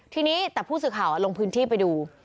ทีนี้แต่ผู้สื่อข่าวลงพื้นที่ไปดู